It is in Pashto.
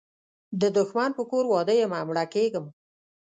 د دښمن په کور واده یمه مړه کیږم